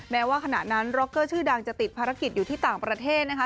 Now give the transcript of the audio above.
แม้ว่าขณะนั้นร็อกเกอร์ชื่อดังจะติดภารกิจอยู่ที่ต่างประเทศนะคะ